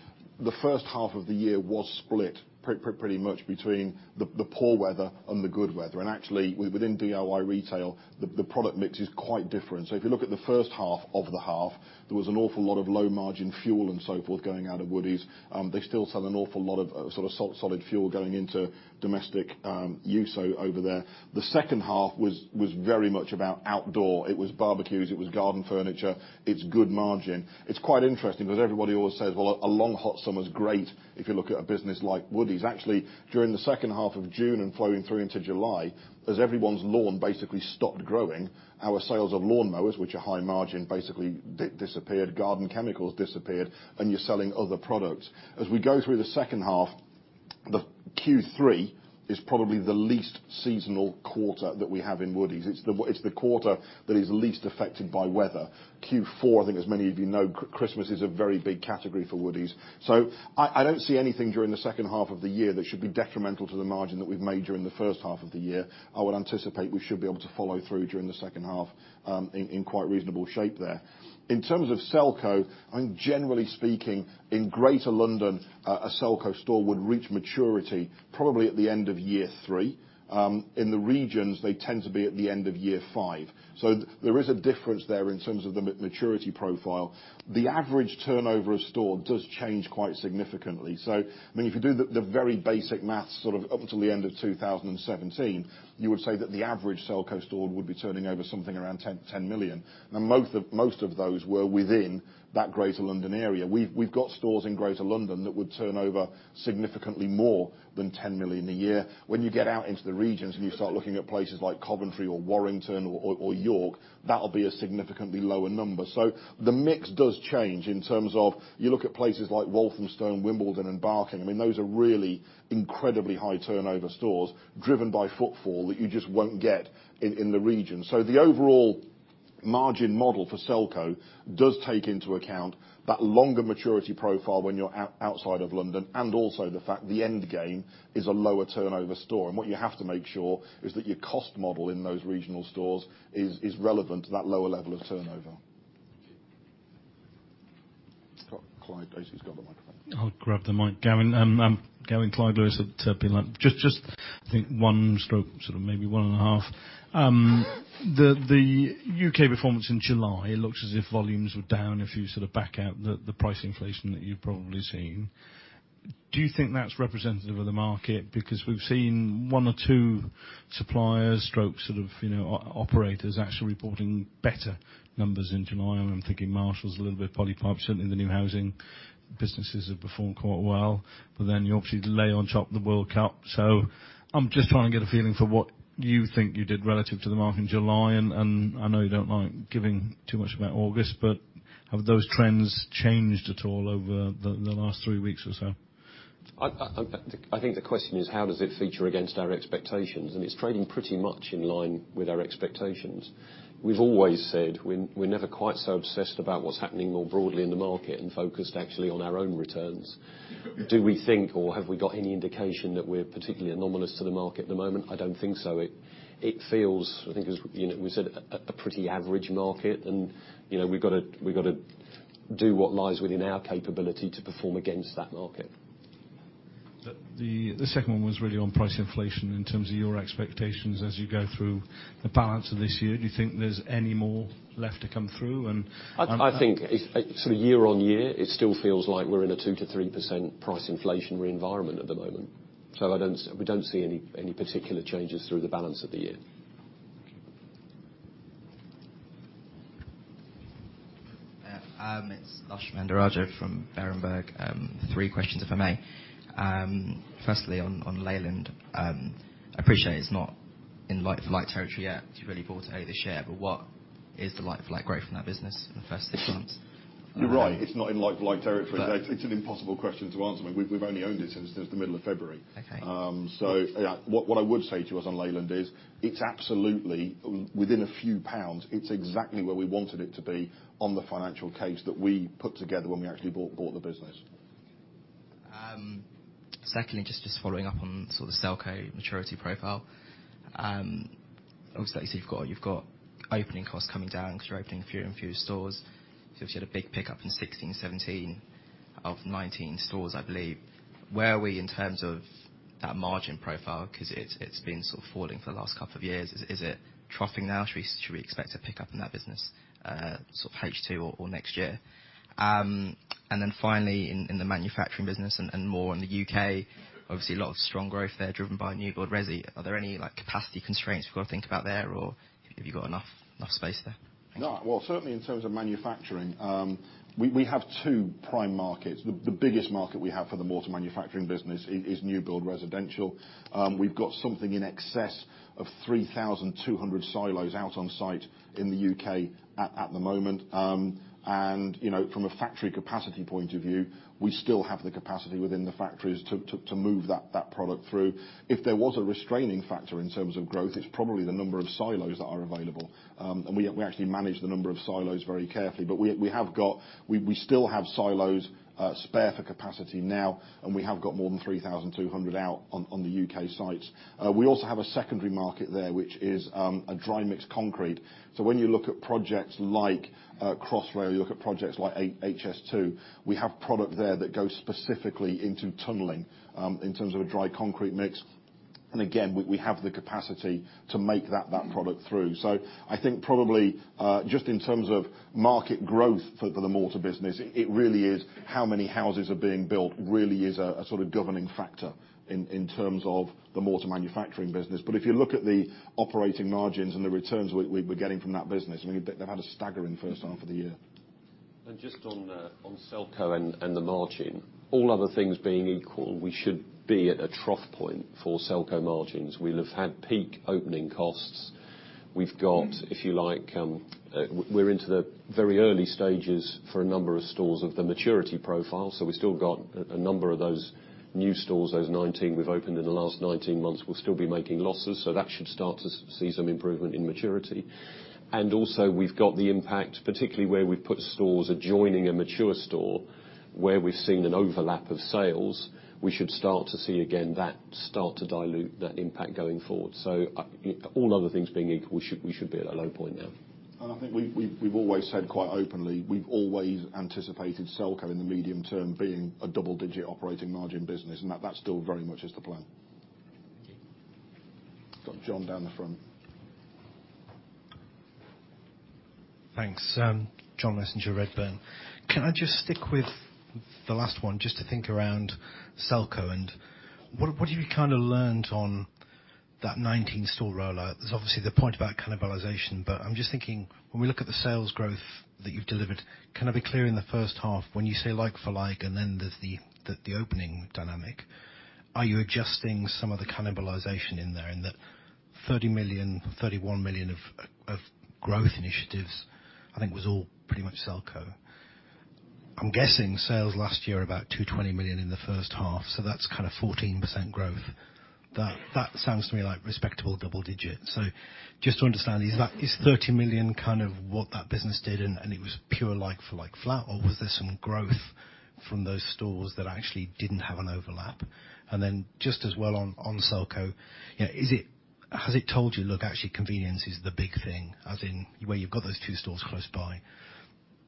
the first half of the year was split pretty much between the poor weather and the good weather. Actually, within DIY retail, the product mix is quite different. If you look at the first half of the half, there was an awful lot of low-margin fuel and so forth going out of Woodie's. They still sell an awful lot of sort of solid fuel going into domestic use over there. The second half was very much about outdoor. It was barbecues, it was garden furniture. It's good margin. It's quite interesting because everybody always says, well, a long, hot summer's great if you look at a business like Woodie's. Actually, during the second half of June and flowing through into July, as everyone's lawn basically stopped growing, our sales of lawn mowers, which are high margin, basically disappeared. Garden chemicals disappeared, you're selling other products. As we go through the second half, the Q3 is probably the least seasonal quarter that we have in Woodie's. It's the quarter that is least affected by weather. Q4, I think as many of you know, Christmas is a very big category for Woodie's. I don't see anything during the second half of the year that should be detrimental to the margin that we've made during the first half of the year. I would anticipate we should be able to follow through during the second half, in quite reasonable shape there. In terms of Selco, I think generally speaking, in Greater London, a Selco store would reach maturity probably at the end of year three. In the regions, they tend to be at the end of year five. There is a difference there in terms of the maturity profile. The average turnover of store does change quite significantly. I mean, if you do the very basic math up until the end of 2017, you would say that the average Selco store would be turning over something around 10 million. Now, most of those were within that Greater London area. We've got stores in Greater London that would turn over significantly more than 10 million a year. When you get out into the regions and you start looking at places like Coventry or Warrington or York, that'll be a significantly lower number. The mix does change in terms of you look at places like Walthamstow and Wimbledon and Barking. I mean, those are really incredibly high turnover stores driven by footfall that you just won't get in the region. The overall margin model for Selco does take into account that longer maturity profile when you're out outside of London, and also the fact the end game is a lower turnover store. What you have to make sure is that your cost model in those regional stores is relevant to that lower level of turnover. Thank you. I've got Clyde. Basically, he's got the microphone. I'll grab the mic. Gavin. I'm Clyde Lewis at Peel Hunt. Just, I think one stroke, sort of maybe one and a half. The U.K. performance in July looks as if volumes were down if you sort of back out the price inflation that you've probably seen. Do you think that's representative of the market? We've seen one or two suppliers, stroke sort of operators actually reporting better numbers in July. I'm thinking Marshalls a little bit, Polypipe. Certainly, the new housing businesses have performed quite well. You obviously lay on top the World Cup. I'm just trying to get a feeling for what you think you did relative to the mark in July. I know you don't like giving too much about August, but have those trends changed at all over the last three weeks or so? I think the question is how does it feature against our expectations? It's trading pretty much in line with our expectations. We've always said we're never quite so obsessed about what's happening more broadly in the market and focused actually on our own returns. Do we think or have we got any indication that we're particularly anomalous to the market at the moment? I don't think so. It feels, I think as we said, a pretty average market and we've got to do what lies within our capability to perform against that market. The second one was really on price inflation in terms of your expectations as you go through the balance of this year. Do you think there's any more left to come through. I think year-on-year, it still feels like we're in a 2%-3% price inflationary environment at the moment. We don't see any particular changes through the balance of the year. Okay. It's Lavesh Mandavia from Berenberg. Three questions, if I may. Firstly, on Leyland, I appreciate it's not in like-for-like territory yet to really validate the share, but what is the like-for-like growth from that business in the first six months? You're right. It's not in like-for-like territory. Right. It's an impossible question to answer. I mean, we've only owned it since the middle of February. Okay. What I would say to us on Leyland is it's absolutely within a few pounds, it's exactly where we wanted it to be on the financial case that we put together when we actually bought the business. Secondly, just following up on Selco maturity profile. Obviously, you've got opening costs coming down because you're opening fewer and fewer stores. If you had a big pickup in 2016, 2017 of 19 stores, I believe. Where are we in terms of that margin profile? Because it's been falling for the last couple of years. Is it troughing now? Should we expect a pickup in that business, H2 or next year? Finally, in the manufacturing business and more in the U.K., obviously, a lot of strong growth there driven by new build resi. Are there any capacity constraints we've got to think about there, or have you got enough space there? No. Well, certainly in terms of manufacturing. We have two prime markets. The biggest market we have for the mortar manufacturing business is new build residential. We've got something in excess of 3,200 silos out on site in the U.K. at the moment. From a factory capacity point of view, we still have the capacity within the factories to move that product through. If there was a restraining factor in terms of growth, it's probably the number of silos that are available. We actually manage the number of silos very carefully. We still have silos spare for capacity now, and we have got more than 3,200 out on the U.K. sites. We also have a secondary market there, which is a dry mix concrete. When you look at projects like Crossrail, you look at projects like HS2, we have product there that goes specifically into tunneling, in terms of a dry concrete mix. Again, we have the capacity to make that product through. I think probably, just in terms of market growth for the mortar business, it really is how many houses are being built, really is a governing factor in terms of the mortar manufacturing business. If you look at the operating margins and the returns we're getting from that business, they've had a staggering first half of the year. Just on Selco and the margin, all other things being equal, we should be at a trough point for Selco margins. We'll have had peak opening costs. We've got, if you like, we're into the very early stages for a number of stores of the maturity profile. We've still got a number of those new stores, those 19 we've opened in the last 19 months, will still be making losses. That should start to see some improvement in maturity. Also, we've got the impact, particularly where we've put stores adjoining a mature store, where we've seen an overlap of sales, we should start to see, again, that start to dilute that impact going forward. All other things being equal, we should be at a low point now. I think we've always said quite openly, we've always anticipated Selco in the medium term being a double-digit operating margin business, that still very much is the plan. Thank you. Got John down the front. Thanks. John Messenger, Redburn. Can I just stick with the last one, just to think around Selco and what have you kind of learned on that 19-store rollout? There's obviously the point about cannibalization, but I'm just thinking, when we look at the sales growth that you've delivered, can I be clear in the first half when you say like-for-like, and then there's the opening dynamic, are you adjusting some of the cannibalization in there? In that 30 million, 31 million of growth initiatives, I think was all pretty much Selco. I'm guessing sales last year were about 220 million in the first half, so that's kind of 14% growth. That sounds to me like respectable double digits. Just to understand, is 30 million kind of what that business did and it was pure like-for-like flat? Was there some growth from those stores that actually didn't have an overlap? Just as well on Selco, has it told you, "Look, actually convenience is the big thing." As in, where you've got those two stores close by,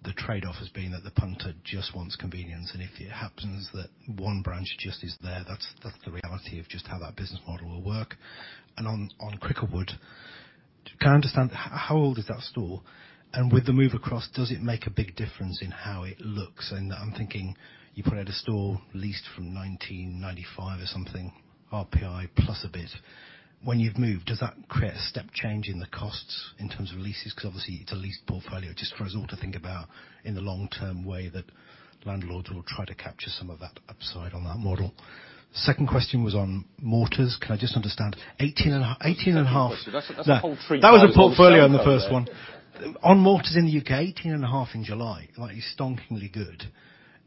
the trade-off has been that the punter just wants convenience, and if it happens that one branch just is there, that's the reality of just how that business model will work. On Cricklewood, can I understand how old is that store? With the move across, does it make a big difference in how it looks? In that I'm thinking you've had a store leased from 1995 or something, RPI plus a bit. When you've moved, does that create a step change in the costs in terms of leases? Obviously, it's a leased portfolio. Just for us all to think about in the long-term way that landlords will try to capture some of that upside on that model. Second question was on mortars. Can I just understand 18 and a half- That's a whole three silos for Selco there. That was a portfolio on the first one. On mortars in the U.K., 18 and a half in July, like you said, stonkingly good.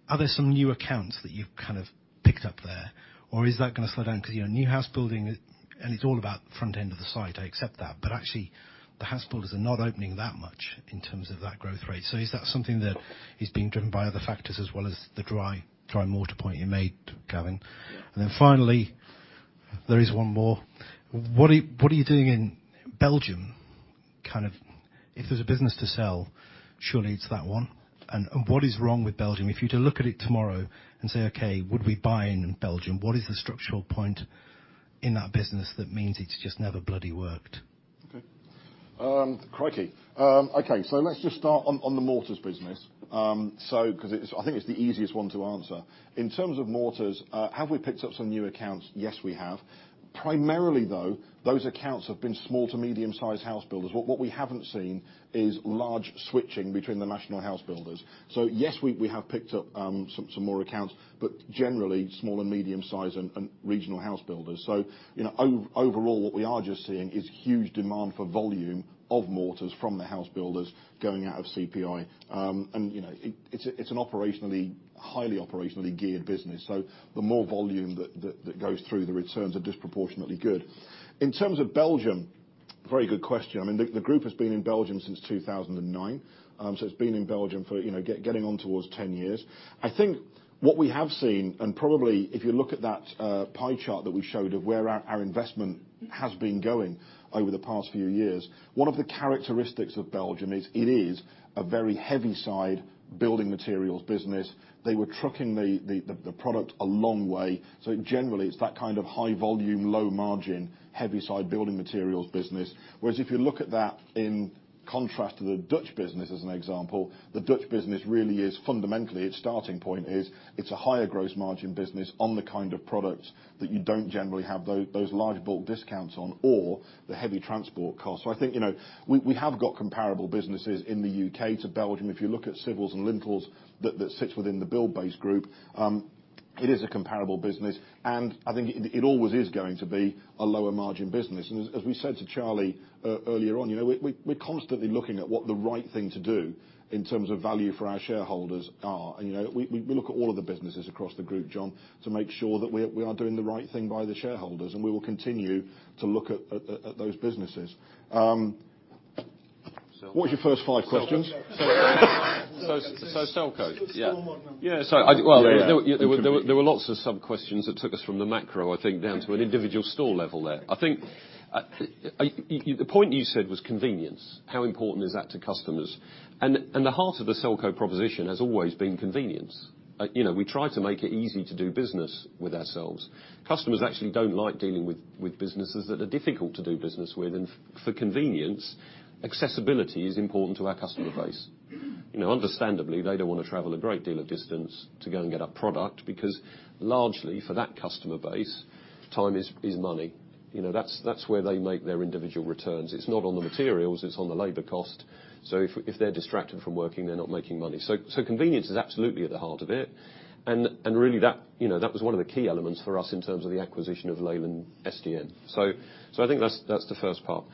Are there some new accounts that you've kind of picked up there? Or is that going to slow down because new house building, and it's all about front end of the site, I accept that, but actually the house builders are not opening that much in terms of that growth rate. Is that something that is being driven by other factors as well as the dry mortar point you made, Gavin? Yeah. Finally, there is one more. What are you doing in Belgium? Kind of if there's a business to sell, surely it's that one. What is wrong with Belgium? If you were to look at it tomorrow and say, "Okay, would we buy in Belgium?" What is the structural point in that business that means it's just never bloody worked? Okay. Crikey. Okay. Let's just start on the mortars business. I think it's the easiest one to answer. In terms of mortars, have we picked up some new accounts? Yes, we have. Primarily, though, those accounts have been small to medium-sized house builders. What we haven't seen is large switching between the national house builders. Yes, we have picked up some more accounts, but generally small and medium-size and regional house builders. Overall what we are just seeing is huge demand for volume of mortars from the house builders going out of CPI. It's an operationally, highly operationally geared business. The more volume that goes through, the returns are disproportionately good. In terms of Belgium. Very good question. The group has been in Belgium since 2009, it's been in Belgium for getting on towards 10 years. I think what we have seen, and probably if you look at that pie chart that we showed of where our investment has been going over the past few years, one of the characteristics of Belgium is it is a very heavy side building materials business. They were trucking the product a long way. Generally, it's that kind of high volume, low margin, heavy side building materials business. Whereas if you look at that in contrast to the Dutch business as an example, the Dutch business really is fundamentally, its starting point is it's a higher gross margin business on the kind of products that you don't generally have those large bulk discounts on, or the heavy transport costs. I think, we have got comparable businesses in the U.K. to Belgium. If you look at Civils & Lintels that sits within the Buildbase Group, it is a comparable business, and I think it always is going to be a lower margin business. As we said to Charlie earlier on, we're constantly looking at what the right thing to do in terms of value for our shareholders are. We look at all of the businesses across the group, John, to make sure that we are doing the right thing by the shareholders, and we will continue to look at those businesses. What's your first five questions? Selco. Store model. Yeah. Yeah. There were lots of sub-questions that took us from the macro, I think, down to an individual store level there. I think, the point you said was convenience, how important is that to customers? The heart of the Selco proposition has always been convenience. We try to make it easy to do business with ourselves. Customers actually don't like dealing with businesses that are difficult to do business with. For convenience, accessibility is important to our customer base. Understandably, they don't want to travel a great deal of distance to go and get a product because largely for that customer base, time is money. That's where they make their individual returns. It's not on the materials, it's on the labor cost. If they're distracted from working, they're not making money. Convenience is absolutely at the heart of it. Really, that was one of the key elements for us in terms of the acquisition of Leyland SDM. I think that's the first part.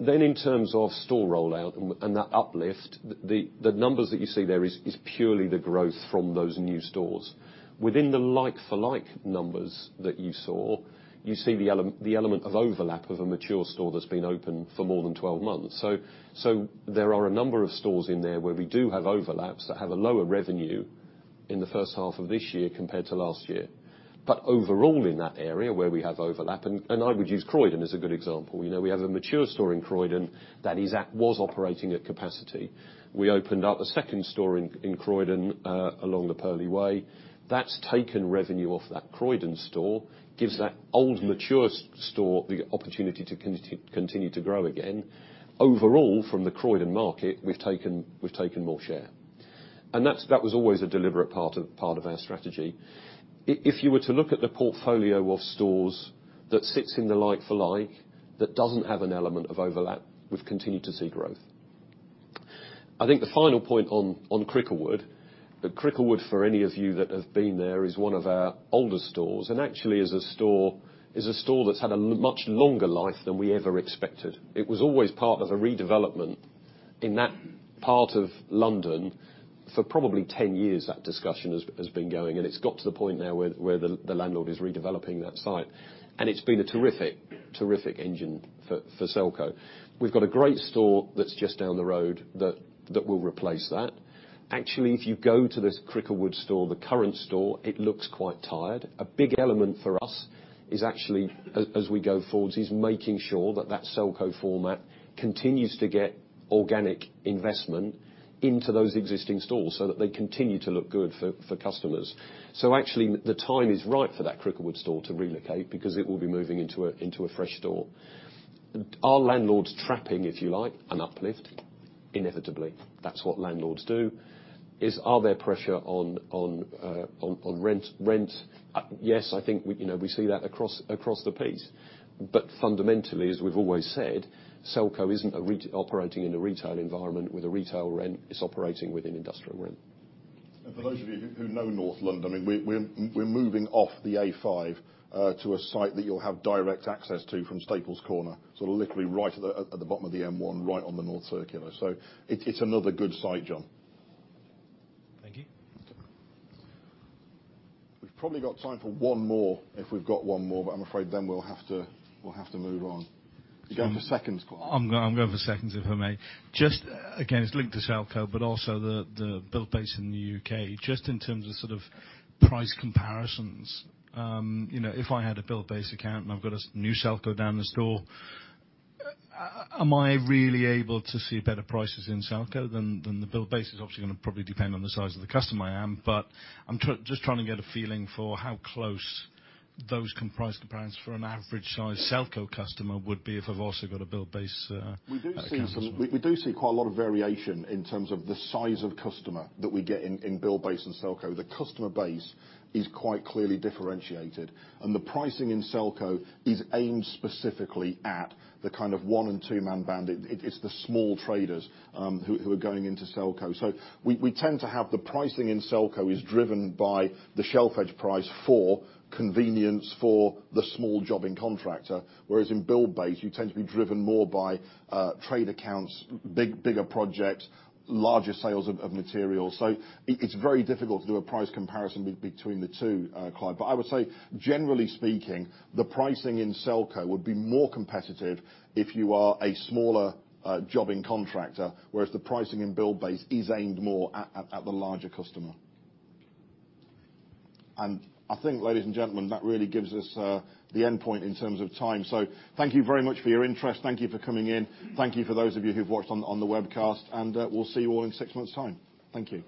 In terms of store rollout and that uplift, the numbers that you see there is purely the growth from those new stores. Within the like for like numbers that you saw, you see the element of overlap of a mature store that's been open for more than 12 months. There are a number of stores in there where we do have overlaps that have a lower revenue in the first half of this year compared to last year. Overall in that area where we have overlap, I would use Croydon as a good example. We have a mature store in Croydon that was operating at capacity. We opened up a second store in Croydon, along the Purley Way. That's taken revenue off that Croydon store, gives that old mature store the opportunity to continue to grow again. Overall, from the Croydon market, we've taken more share. That was always a deliberate part of our strategy. If you were to look at the portfolio of stores that sits in the like for like, that doesn't have an element of overlap, we've continued to see growth. I think the final point on Cricklewood, for any of you that have been there, is one of our older stores, and actually is a store that's had a much longer life than we ever expected. It was always part of a redevelopment in that part of London. For probably 10 years, that discussion has been going, and it's got to the point now where the landlord is redeveloping that site. It's been a terrific engine for Selco. We've got a great store that's just down the road that will replace that. Actually, if you go to this Cricklewood store, the current store, it looks quite tired. A big element for us is actually, as we go forwards, is making sure that that Selco format continues to get organic investment into those existing stores so that they continue to look good for customers. Actually, the time is right for that Cricklewood store to relocate because it will be moving into a fresh store. Are landlords trapping, if you like, an uplift? Inevitably. That's what landlords do. Are there pressure on rent? Yes, I think we see that across the piece. Fundamentally, as we've always said, Selco isn't operating in a retail environment with a retail rent. It's operating with an industrial rent. For those of you who know North London, we're moving off the A5 to a site that you'll have direct access to from Staples Corner, literally right at the bottom of the M1, right on the North Circular. It's another good site, John. Thank you. We've probably got time for one more, if we've got one more, but I'm afraid then we'll have to move on. You're going for seconds, Clive. I'm going for seconds, if I may. Just again, it's linked to Selco, but also the Buildbase in the U.K. Just in terms of sort of price comparisons, if I had a Buildbase account and I've got a new Selco down the store, am I really able to see better prices in Selco than the Buildbase? It's obviously going to probably depend on the size of the customer I am. I'm just trying to get a feeling for how close those price comparisons for an average size Selco customer would be if I've also got a Buildbase account. We do see quite a lot of variation in terms of the size of customer that we get in Buildbase and Selco. The customer base is quite clearly differentiated, and the pricing in Selco is aimed specifically at the kind of one and two-man band. It's the small traders who are going into Selco. We tend to have the pricing in Selco is driven by the shelf edge price for convenience for the small jobbing contractor. Whereas in Buildbase, you tend to be driven more by trade accounts, bigger projects, larger sales of materials. It's very difficult to do a price comparison between the two, Clive. I would say generally speaking, the pricing in Selco would be more competitive if you are a smaller jobbing contractor, whereas the pricing in Buildbase is aimed more at the larger customer. I think, ladies and gentlemen, that really gives us the endpoint in terms of time. Thank you very much for your interest. Thank you for coming in. Thank you for those of you who've watched on the webcast, and we'll see you all in six months' time. Thank you.